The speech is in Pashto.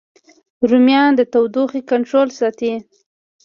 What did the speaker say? رومیان د تودوخې کنټرول ساتي